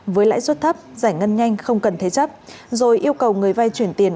với lãi suất thấp giải ngân nhanh không cần thế chấp rồi yêu cầu người vay chuyển tiền